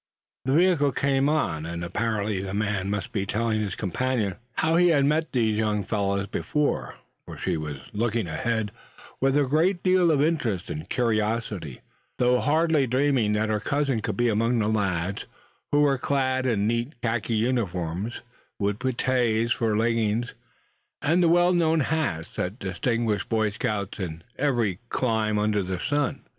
The vehicle came on, and apparently the man must be telling his companion how he had met these young fellows before, for she was looking ahead with a great deal of interest and curiosity; though hardly dreaming that her cousin could be among the lads, who were clad in neat khaki uniforms, with puttees for leggings, and the well known hats that distinguish Boy Scouts in every clime under the sun.